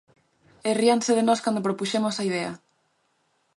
E ríanse de nós cando propuxemos a idea.